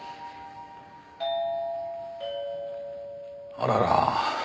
あらら。